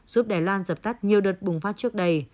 giúp đài loan dập tắt nhiều đợt bùng phát trước đây